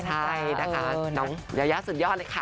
ใช่นะคะน้องยายาสุดยอดเลยค่ะ